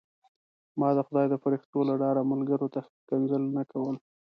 ما د خدای د فرښتو له ډاره ملګرو ته کنځل نه کول.